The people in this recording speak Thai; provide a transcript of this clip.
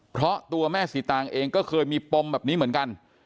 เพราะตัวแม่สีตางเองก็เคยมีปมแบบนี้เหมือนกัน